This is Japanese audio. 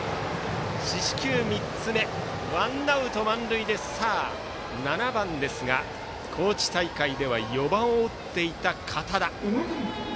四死球３つ目、ワンアウト満塁で７番ですが、高知大会では４番を打っていた堅田。